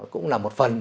cũng là một phần